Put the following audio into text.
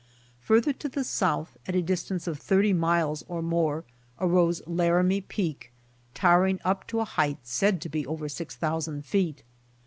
Farther to the south, at a distance of thirty miles or more arose Laramie Peak, towering up to a height said to be over six thousand feet.